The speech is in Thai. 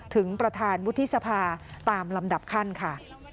ถึงประธานวุฒิสภาตามลำดับขั้นค่ะ